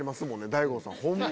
大悟さん。